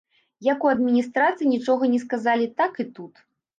Як у адміністрацыі нічога не сказалі, так і тут.